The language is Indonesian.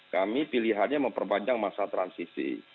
kami pilihannya memperpanjang masa transisi